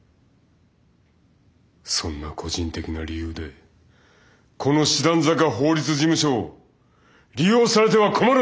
そんな個人的な理由でこの師団坂法律事務所を利用されては困るんだよ！